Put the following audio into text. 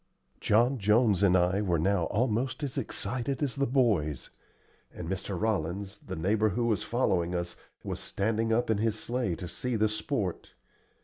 John Jones and I were now almost as excited as the boys, and Mr. Rollins, the neighbor who was following us, was standing up in his sleigh to see the sport.